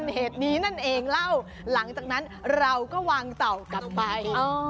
เหตุนี้นั่นเองเล่าหลังจากนั้นเราก็วางเต่ากลับไป